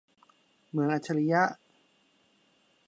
เมืองอัจฉริยะ